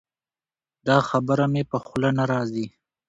دا خبره مې په خوله نه راځي.